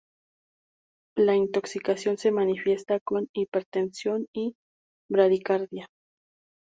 La intoxicación se manifiesta con hipertensión y bradicardia.